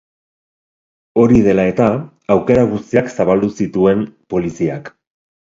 Hori dela eta, aukera guztiak zabaldu zituen poliziak.